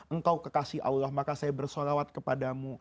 engkau kekasih allah maka saya bersolawat kepadamu